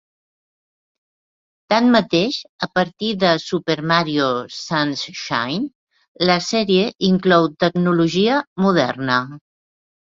Tanmateix, a partir de "Super Mario Sunshine", la sèrie inclou tecnologia moderna.